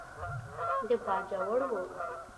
د باجوړ و.